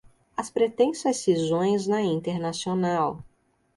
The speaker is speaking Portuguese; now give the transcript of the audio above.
As Pretensas Cisões na Internacional